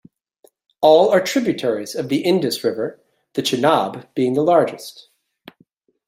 All are tributaries of the Indus River, the Chenab being the largest.